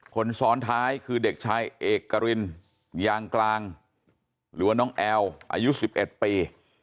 คนซ้อนท้ายคือเด็กชายเอกรินยางกลางหรือว่าน้องแอลอายุ๑๑ปี